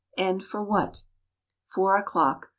And for what? Four o'clock.